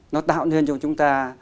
nó tạo nên cho chúng ta